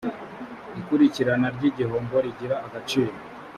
ikurikirana ry igihombo rigira agaciro